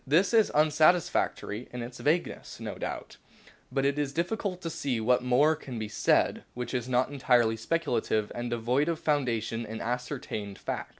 This is unsatisfactory in its vagueness, no doubt ; but it is difficult to see what more can be said which is not entirely speculative and devoid of foundation in ascertained fact.